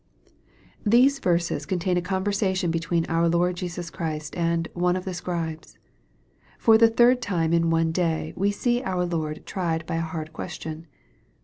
THESE verses contain a conversation between our Lord Jesus Christ and " one of the Scribes." For the third time in one day we see our Lord tried by a hard question.